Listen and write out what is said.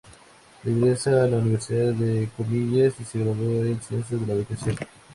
Regresa a la Universidad de Comillas y se graduó en Ciencias de la Educación.